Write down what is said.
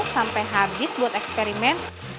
sampai habis buat eksperimen